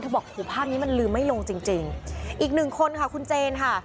บอกหูภาพนี้มันลืมไม่ลงจริงจริงอีกหนึ่งคนค่ะคุณเจนค่ะ